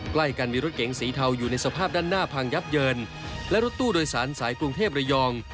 ใกล้กันมีรถเก๋งสีเทาอยู่ในสภาพด้านหน้าพังยับเยินและรถตู้โดยสารสายกรุงเทพระยอง